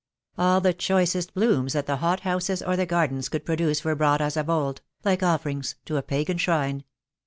All the choicest blooms that the hothouses or the gardens could produce were brought as of old, like offerings to a pagan shrine.